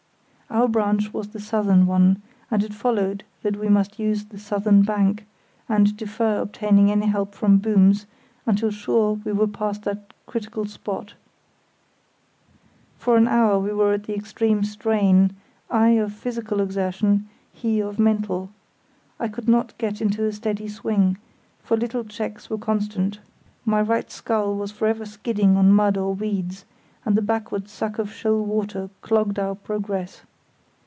Our branch was the southern one, and it followed that we must use the southern bank, and defer obtaining any help from booms until sure we were past that critical spot. For an hour we were at the extreme strain, I of physical exertion, he of mental. I could not get into a steady swing, for little checks were constant. My right scull was for ever skidding on mud or weeds, and the backward suck of shoal water clogged our progress.